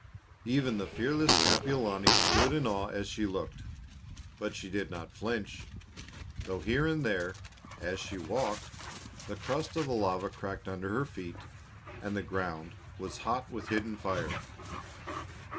Even the fearless Kapiolani stood in awe as she looked. But she did not flinch, though here and there, as she walked, the crust of the lava cracked under her feet and the ground was hot with hidden fire.